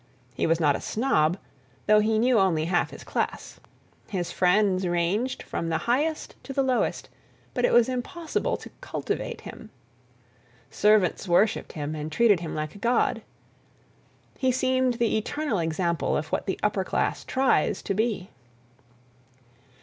He was not a snob, though he knew only half his class. His friends ranged from the highest to the lowest, but it was impossible to "cultivate" him. Servants worshipped him, and treated him like a god. He seemed the eternal example of what the upper class tries to be.